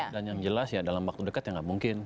dan yang jelas ya dalam waktu dekat ya enggak mungkin